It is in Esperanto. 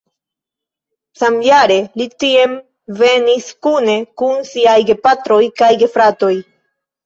Samjare li tien venis kune kun siaj gepatroj kaj gefratoj.